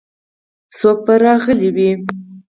څوک به راغلي وي.